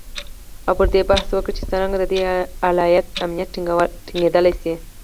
او پر دې بحث وکړي چې څرنګه د دې ایالت امنیت ټینګیدلی شي